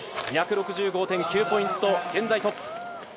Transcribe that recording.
２６５．９ポイントで現在トップ。